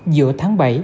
giữa tháng bảy